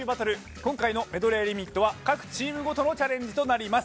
今回のメドレーリミットは各チームごとのチャレンジとなります。